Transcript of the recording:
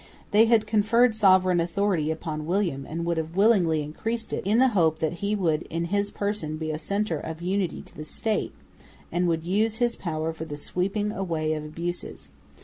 They had conferred sovereign authority upon William, and would have willingly increased it, in the hope that he would in his person be a centre of unity to the State, and would use his power for the sweeping away of abuses.